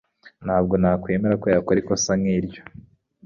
Ntabwo nemera ko yakoze ikosa nkiryo.